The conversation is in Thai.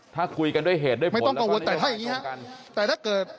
ถ้าคุยกันด้วยเหตุไม่ต้องกังวลแต่ถ้าอย่างนี้